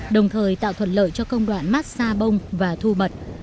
đồng thời tạo thuận lợi cho công đoạn mát xa bông và thu mật